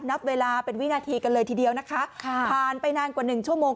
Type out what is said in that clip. นับเวลาเป็นวินาทีกันเลยทีเดียวนะคะค่ะผ่านไปนานกว่าหนึ่งชั่วโมง